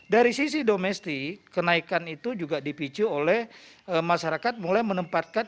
dari sisi domestik kenaikan itu juga dipicu oleh masyarakat mulai menempatkan